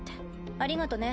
ありがとね。